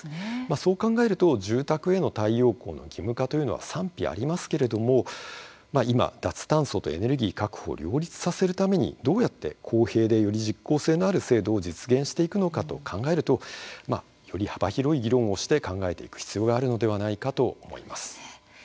そう考えると住宅への太陽光の義務化というのは賛否ありますけども今、脱炭素とエネルギー確保を両立させるためにどうやって公平でより実効性のある制度を実現していくのかと考えるとより幅広い議論をして考えていく必要があるのではないかと思います。